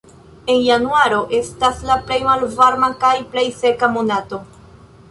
En januaro estas la plej malvarma kaj plej seka monato.